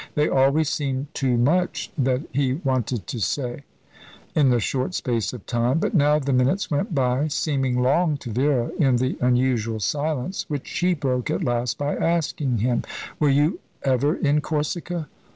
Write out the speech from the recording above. There always seemed too much that he wanted to say in the short space of time; but now the minutes went by, seeming long to Vera in the unusual silence, which she broke at last by asking him, "Were you ever in Corsica?"